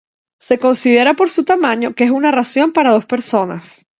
Se considera por su tamaño que es una ración para dos personas.